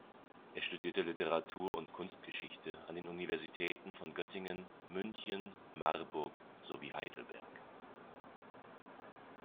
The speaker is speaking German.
Er studierte Literatur- und Kunstgeschichte an den Universitäten von Göttingen, München, Marburg sowie Heidelberg.